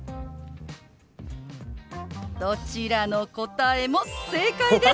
どちらの答えも正解です！